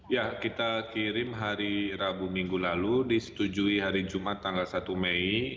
ya kita kirim hari rabu minggu lalu disetujui hari jumat tanggal satu mei